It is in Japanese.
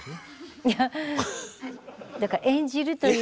いやだから演じるという。